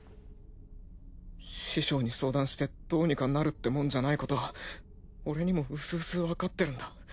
師匠に相談してどうにかなるってもんじゃないことは俺にもうすうすわかってるんだ。